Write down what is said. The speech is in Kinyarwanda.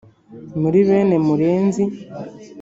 Muri bene Murenzi